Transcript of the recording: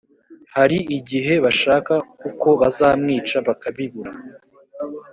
hari igihe bashaka uko bazamwica bakabibura